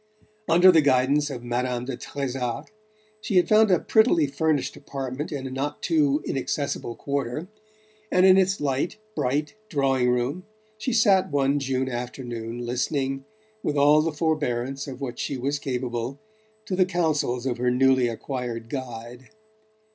Under the guidance of Madame de Trezac she had found a prettily furnished apartment in a not too inaccessible quarter, and in its light bright drawing room she sat one June afternoon listening, with all the forbearance of which she was capable, to the counsels of her newly acquired guide.